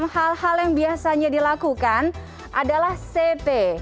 hal hal yang biasanya dilakukan adalah cp